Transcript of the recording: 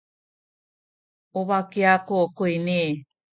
u baki aku kuyni.